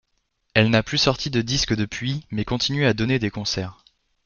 Elle n'a plus sorti de disques depuis, mais continue à donner des concerts.